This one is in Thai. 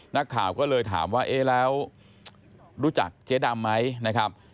นักข่าวก็เลยถามว่าเอ๊ะแล้วรู้จักเจ๊ดำไหมนะครับ